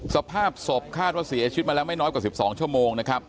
สภาพศพคาดว่าเสียชีวิตมาแล้วไม่น้อยกว่า๑๒ชั่วโมงนะครับ